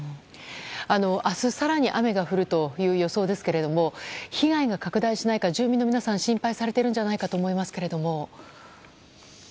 明日、更に雨が降るという予想ですが被害が拡大しないか住民の皆さん心配されているかと思いますけれども。